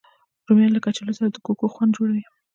رومیان له کچالو سره د کوکو خوند جوړوي